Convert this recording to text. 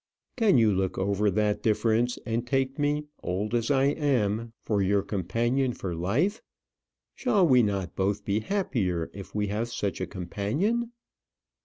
"Can you look over that difference, and take me, old as I am, for your companion for life? Shall we not both be happier if we have such a companion?